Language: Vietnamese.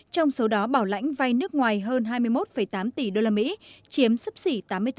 trong số đó bảo lãnh vai nước ngoài hơn hai mươi một tám tỷ đô la mỹ chiếm sấp xỉ tám mươi bốn